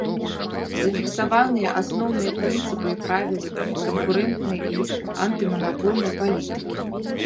Зафіксаваныя асноўныя прынцыпы і правілы канкурэнтнай і антыманапольнай палітыкі.